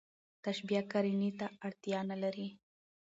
تشبېه قرينې ته اړتیا نه لري.